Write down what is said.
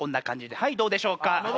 はいどうでしょうか？